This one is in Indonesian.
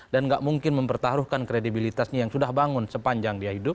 dan gak mungkin mempertaruhkan kredibilitasnya yang sudah bangun sepanjang dia hidup